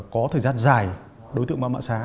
có thời gian dài đối tượng mạng mạng xá